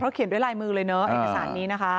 เขียนด้วยลายมือเลยเนอะเอกสารนี้นะคะ